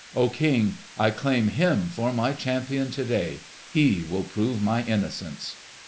O King, I claim him for my champion to day! He will prove my innocence!"